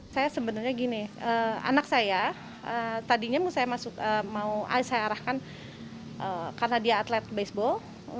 saya sebenarnya gini anak saya tadinya saya arahkan karena dia atlet baseball